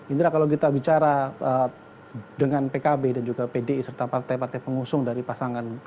indra kalau kita bicara dengan pkb dan juga pdi serta partai partai pengusung dari pasangan